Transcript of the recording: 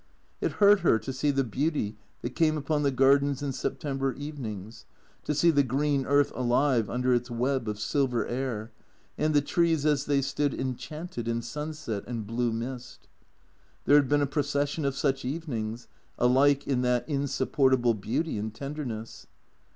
It hurt her to see the beauty that came upon the Gardens in September evenings, to see the green earth alive under its web of silver air, and the trees as they stood enchanted in sunset and blue mist. There had been a procession of such evenings, alike in that insupportable beauty and tenderness.